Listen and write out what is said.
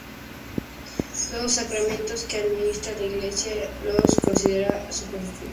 Los sacramentos que administra la Iglesia los considera superfluos.